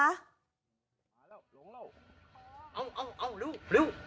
เอารู้